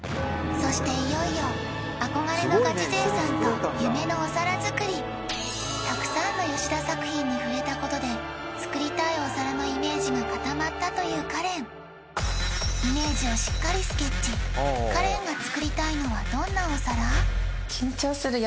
そしていよいよ憧れのガチ勢さんと夢のお皿作りたくさんの吉田作品に触れたことで作りたいお皿のイメージが固まったというカレンイメージをしっかりスケッチカレンが作りたいのはどんなお皿？